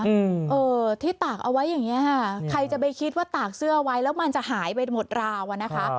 อืมเออที่ตากเอาไว้อย่างเงี้ค่ะใครจะไปคิดว่าตากเสื้อไว้แล้วมันจะหายไปหมดราวอ่ะนะคะ